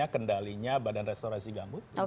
kendalinya badan restorasi gambut